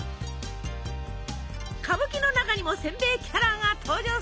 歌舞伎の中にもせんべいキャラが登場するほど！